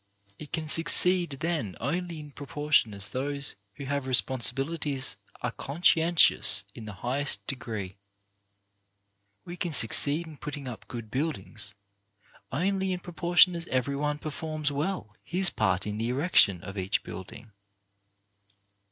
It can succeed then only in pro portion as those who have responsibilities are THE VIRTUE OF SIMPLICITY 35 conscientious in the highest degree. We can succeed in putting up good buildings only in pro portion as every one performs well his part in the erection of each building.